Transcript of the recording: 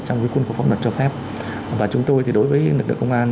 trong cái quân phòng luật cho phép và chúng tôi thì đối với lực lượng công an